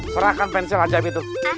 serahkan pensil ajaib itu